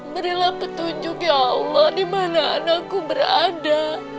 berilah petunjuk ya allah dimana anakku berada